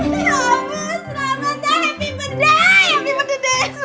jadi aku lihat bener bener